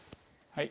はい。